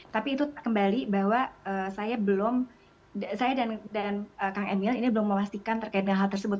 tapi itu kembali bahwa saya belum saya dan kang emil ini belum memastikan terkait dengan hal tersebut